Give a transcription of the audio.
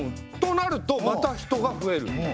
となるとまた人が増える。